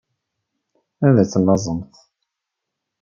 Ad tellaẓemt.